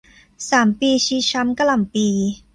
สามปีชีช้ำกระหล่ำปลี